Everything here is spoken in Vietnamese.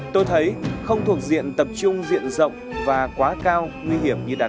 tôi thấy không thuộc diện tập trung diện rộng và quá cao nguy hiểm như đà nẵng